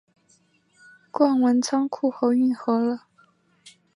逛完仓库和运河了